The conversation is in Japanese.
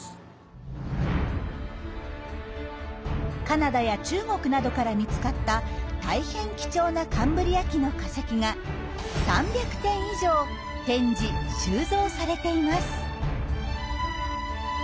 カナダや中国などから見つかった大変貴重なカンブリア紀の化石が３００点以上展示・収蔵されています。